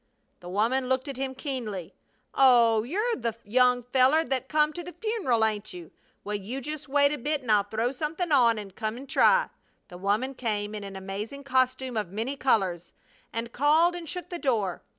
The woman looked at him keenly. "Oh, you're the young feller what come to the fun'rul, ain't you? Well, you jest wait a bit an' I'll throw somethin' on an' come an' try." The woman came in an amazing costume of many colors, and called and shook the door.